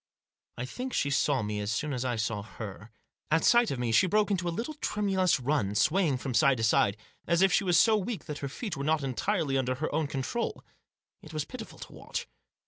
I think she saw me as soon as I saw her. At sight of me she broke into a little tremulous run, swaying from side to side, as if she was so weak that her feet were not entirely under her own control. It was pitiful to watch.